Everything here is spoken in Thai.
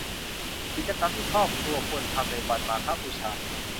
กิจกรรมที่ครอบครัวควรทำในวันมาฆบูชา